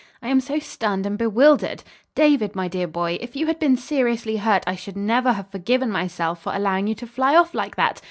"I am so stunned and bewildered. David, my dear boy, if you had been seriously hurt I should never have forgiven myself for allowing you to fly off like that.